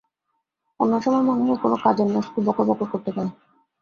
অন্য সময় মনে হয় কোনো কাজের না শুধু বকরবকর করতে পারে।